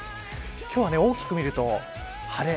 今日は大きく見ると晴れ。